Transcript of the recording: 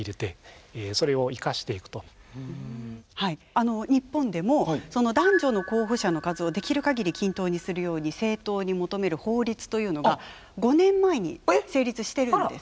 あの日本でもその男女の候補者の数をできる限り均等にするように政党に求める法律というのが５年前に成立してるんです。